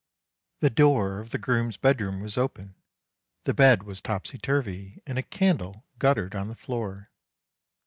The door of the groom's bedroom was open, the bed was topsy turvy, and a candle guttered on the floor.